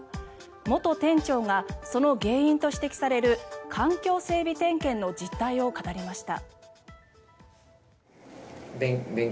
元店長がその原因と指摘される環境整備点検の実態を語りました。